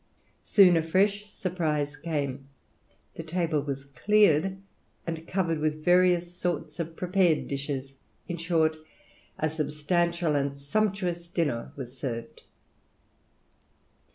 Soon a fresh surprise came; the table was cleared and covered with various sorts of prepared dishes in short, a substantial and sumptuous dinner was served.